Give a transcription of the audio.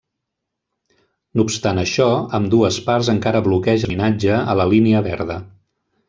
No obstant això, ambdues parts encara bloquegen el desminatge a la Línia Verda.